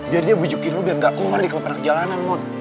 biar dia bujukin lo dan gak keluar di keloparan kejalanan mon